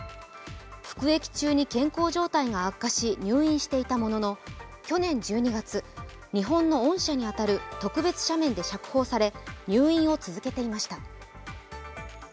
服役中に健康状態が悪化し入院していたものの去年１２月、日本の恩赦に当たる特別赦免で釈放され、入院を続けていました。